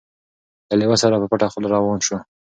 له لېوه سره په پټه خوله روان سو